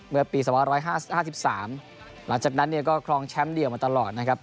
เมื่อปีสมรรยายห้าสิบสามหลังจากนั้นเนี่ยก็ครองแชมป์เดี่ยวมาตลอดนะครับ